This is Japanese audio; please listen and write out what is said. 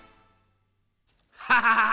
ハハハハ。